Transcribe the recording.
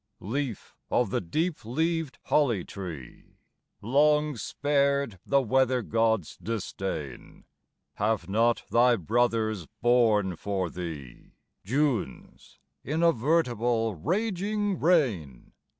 LEAF of the deep leaved holly tree, Long spared the weather god's disdain, Have not thy brothers borne for thee June's inavertible raging rain?